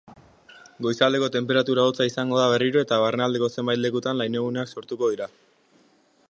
Goizaldeko tenperatura hotza izango da berriro eta barnealdeko zenbait lekutan lainoguneak sortuko dira.